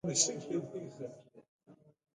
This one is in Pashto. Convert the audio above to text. په کابل کې مولوي عبیدالله جنرال بلل کېده.